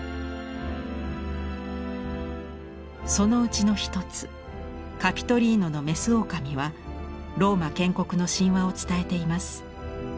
そのうちの一つ「カピトリーノの牝狼」はローマ建国の神話を伝えています。